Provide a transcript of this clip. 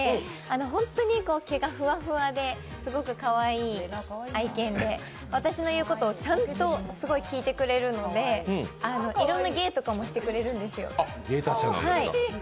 本当に毛がふわふわで、すごくかわいい愛犬で、私の言うことをちゃんとすごい聞いてくれるのでいろんな芸とかもしてくれるんですよ。